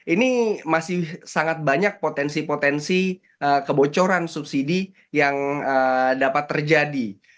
ini masih sangat banyak potensi potensi kebocoran subsidi yang dapat terjadi